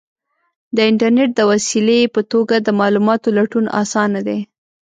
د انټرنیټ د وسیلې په توګه د معلوماتو لټون آسانه دی.